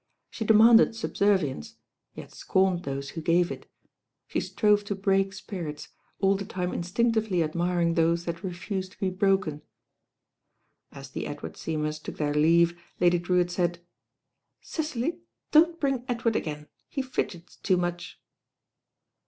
She demanded subservience; yet scorned those who gave it. She strove to break spirits, all the time instinctively admiring those that refused to be broken. As the Edward Seymours took their leave Lady Drewitt said — "Cecily, don't bring Edward again, he fidgets too much."